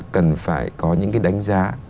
cần phải có những cái đánh giá